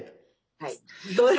はい。